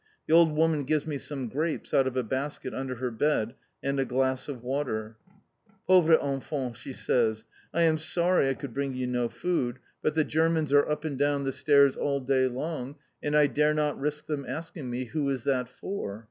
The old woman gives me some grapes out of a basket under her bed, and a glass of water. "Pauvre enfant!" she says. "I am sorry I could bring you no food, but the Germans are up and down the stairs all day long, and I dare not risk them asking me, "Who is that for?"